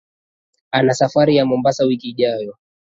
Ana safari ya Mombasa wiki ijayo.